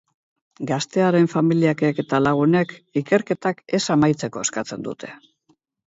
Gaztearen familiakek eta lagunek ikerketak ez amaitzeko eskatzen dute.